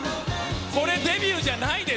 これ、デビューじゃないです。